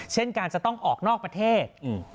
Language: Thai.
เช่นการจะต้องออกนอกประเทศ